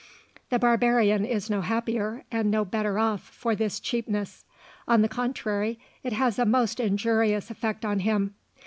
The barbarian is no happier and no better off for this cheapness. On the contrary, it has a most injurious effect on him.